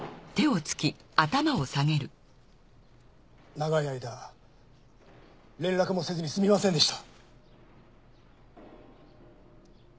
長い間連絡もせずにすみませんでした。